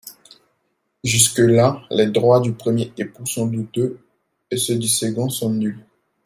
Jusque-là, les droits du premier époux sont douteux et ceux du second sont nuls.